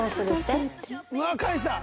うわっ返した！